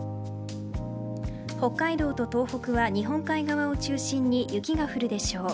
北海道と東北は日本海側を中心に雪が降るでしょう。